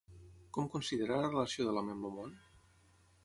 Com considera la relació de l'home amb el món?